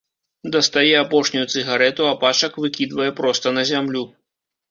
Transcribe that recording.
Дастае апошнюю цыгарэту, а пачак выкідвае проста на зямлю.